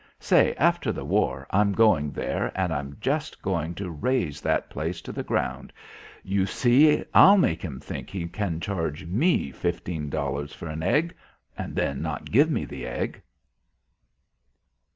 Say, after the war, I'm going there, and I'm just going to raze that place to the ground. You see! I'll make him think he can charge ME fifteen dollars for an egg.... And then not give me the egg."